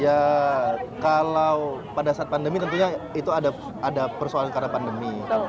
ya kalau pada saat pandemi tentunya itu ada persoalan karena pandemi